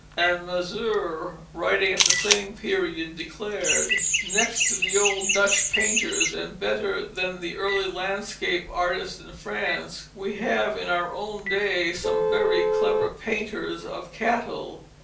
And Mazure, writing at the same period, declared: "Next to the old Dutch painters, and better than the early landscape artists in France, we have in our own day some very clever painters of cattle.